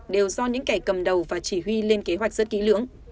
đều do những kẻ cầm đầu và chỉ huy lên kế hoạch rất kỹ lưỡng